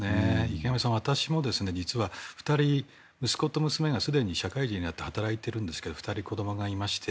池上さん、私も実は２人息子と娘がすでに社会人になって働いているんですけども２人、子供がいまして。